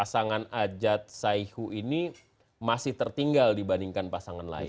pasangan ajat saihu ini masih tertinggal dibandingkan pasangan lain